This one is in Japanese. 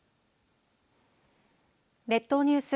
列島ニュース